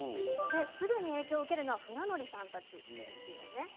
すぐに影響を受けるのは船乗りさんたちですね。